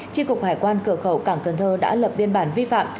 tri cục hải quan cửa khẩu cảng cần thơ đã lập biên bản vi phạm